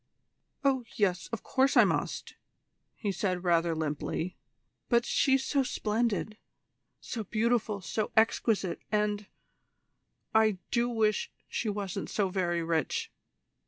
"Oh yes, of course I must," he said rather limply. "But she's so splendid so beautiful, so exquisite and I do wish she wasn't so very rich.